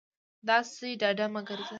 داسې ډاډه مه گرځه